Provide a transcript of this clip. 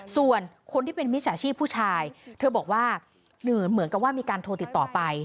ส่วนคนที่เป็นมิจฉาชีพผู้ชายเธอบอกว่าเหมือนกับว่ามีการโทรติดต่อไป